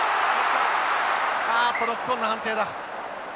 あっとノックオンの判定だ。